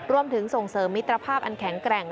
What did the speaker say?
รวมถึงส่งเสริมมิตรภาพอันแข็งแกร่ง